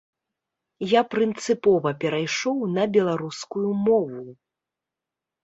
Я прынцыпова перайшоў на беларускую мову.